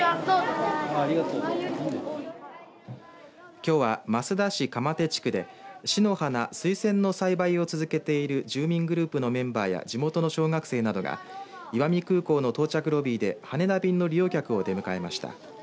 きょうは益田市鎌手地区で市の花、水仙の栽培を続けている住民グループのメンバーや地元の小学生などが石見空港の到着ロビーで羽田便の利用客を出迎えました。